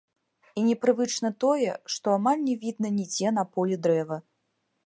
І непрывычна тое, што амаль не відно нідзе на полі дрэва.